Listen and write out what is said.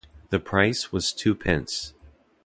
The price was two pence.